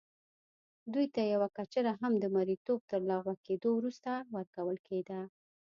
دوی ته یوه کچره هم د مریتوب تر لغوه کېدو وروسته ورکول کېده.